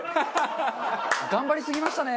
頑張りすぎましたね。